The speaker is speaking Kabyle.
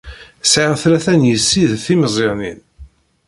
Sɛiɣ tlata n yessi d timeẓyanin.